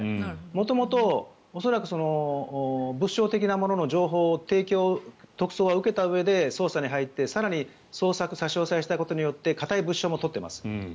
元々、恐らく物証的なものの情報の提供を特捜は受けたうえで捜査に入って、更に捜索差し押さえしたことによって固い物証も取っています。